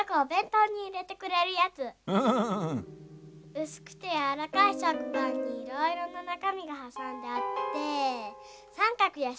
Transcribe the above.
うすくてやわらかいしょくパンにいろいろななかみがはさんであってさんかくやしかくいかたちをしてる。